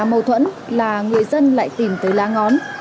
mâu thuẫn là người dân lại tìm tới lá ngón